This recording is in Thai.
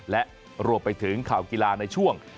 และรวมไปถึงข่าวกีฬาในช่วง